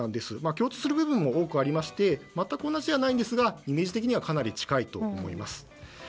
共通する部分も多くありまして全く同じではないんですがイメージ的にはかなり近いと思います。